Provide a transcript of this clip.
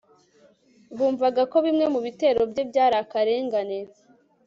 Bumvaga ko bimwe mu bitero bye byari akarengane